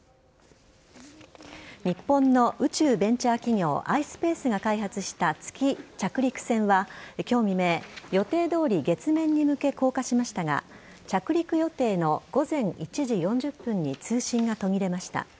日本の宇宙ベンチャー企業ｉｓｐａｃｅが開発した月着陸船は今日未明、予定どおり月面に向け、降下しましたが着陸予定の午前１時４０分に通信が途切れました。